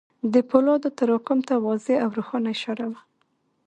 د پولادو تراکم ته واضح او روښانه اشاره وه.